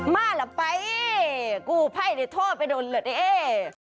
มาล่ะไปกูภ่ายได้โทษไปโดนเหรอเด๊ะเอ๊ะ